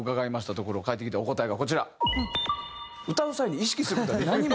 ところ返ってきたお答えがこちら。